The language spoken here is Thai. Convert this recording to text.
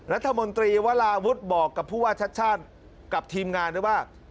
รัฐมนตรีวลาวุฒิบอกกับผู้ว่าชัดกับทีมงานว่า